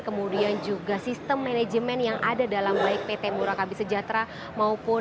kemudian juga sistem manajemen yang ada dalam baik pt murakabi sejahtera maupun